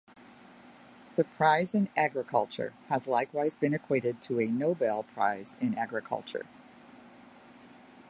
The Prize in Agriculture has likewise been equated to a "Nobel Prize in Agriculture".